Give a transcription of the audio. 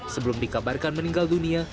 sebelum dikabarkan meninggal dunia